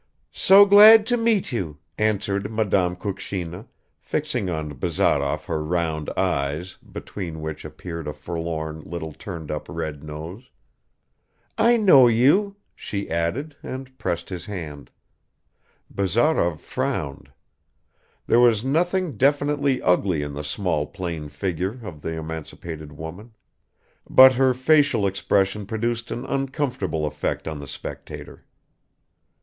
"So glad to meet you," answered Madame Kukshina, fixing on Bazarov her round eyes, between which appeared a forlorn little turned up red nose, "I know you," she added, and pressed his hand. Bazarov frowned. There was nothing definitely ugly in the small plain figure of the emancipated woman; but her facial expression produced an uncomfortable effect on the spectator.